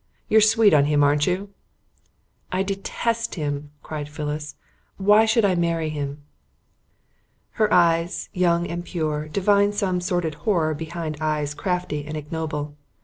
You're sweet on him aren't you?" "I detest him," cried Phyllis. "Why should I marry him?" Her eyes, young and pure, divined some sordid horror behind eyes crafty and ignoble.